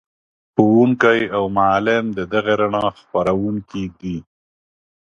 ښوونکی او معلم د دغې رڼا خپروونکی دی.